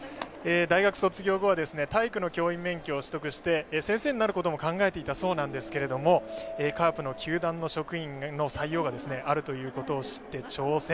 大学卒業後は体育の教員免許も取得して先生になることも考えていたそうなんですがカープの球団の職員への採用があるということを知って挑戦。